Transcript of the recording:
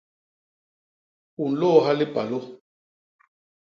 U nlôôha lipalô!.